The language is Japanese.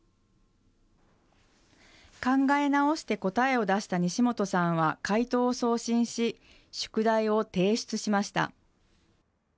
考え直して答えを出した西元さんは解答を送信し、宿題を提出しました。